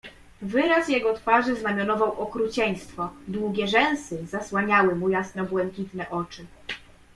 "Wyraz jego twarzy znamionował okrucieństwo, długie rzęsy zasłaniały mu jasno-błękitne oczy."